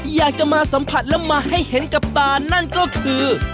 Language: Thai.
อยากจะมาสัมผัสและมาให้เห็นกับตานั่นก็คือ